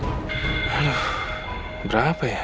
usiakan dualnya berapa bulan ya pak